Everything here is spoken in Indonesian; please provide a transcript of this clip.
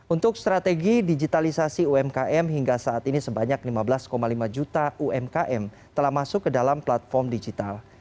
untuk strategi digitalisasi umkm hingga saat ini sebanyak lima belas lima juta umkm telah masuk ke dalam platform digital